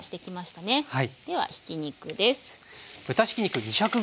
ではひき肉です。